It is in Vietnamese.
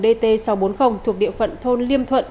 dt sáu trăm bốn mươi thuộc địa phận thôn liêm thuận